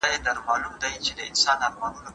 حکومت کولای سي له شتمنو د مرستې غوښتنه وکړي.